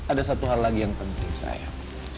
ada satu hal lagi yang penting saya